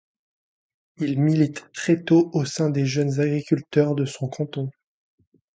Il milite très tôt au sein des Jeunes agriculteurs de son canton.